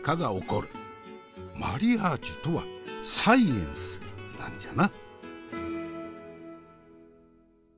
マリアージュとはサイエンスなんじゃな。